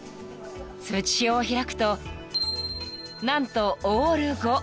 ［通知表を開くと何とオール５］